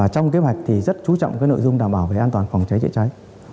trong kế hoạch rất chú trọng nội dung đảm bảo về an toàn phòng cháy trịa cháy